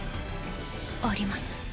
あります。